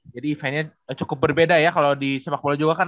jadi eventnya cukup berbeda ya kalau di sepak bola juga kan